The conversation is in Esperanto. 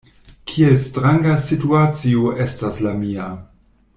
Kiel stranga situacio estas la mia.